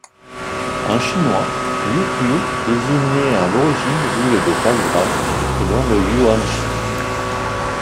En chinois, Liúqiú désignait à l'origine l'île de Taïwan, selon le Yuan Shi.